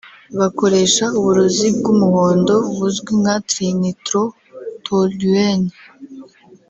bakoresha uburozi bw’umuhondo buzwi nka “Trinitrotoluene”